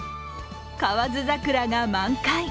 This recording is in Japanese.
河津桜が満開。